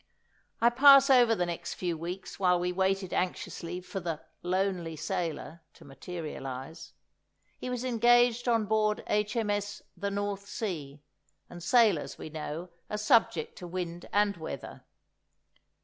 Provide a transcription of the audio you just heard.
I pass over the next few weeks while we waited anxiously for the "lonely sailor" to materialise. He was engaged on board H.M.S. "The North Sea," and sailors, we know, are subject to wind and weather.